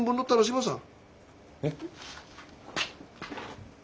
えっ。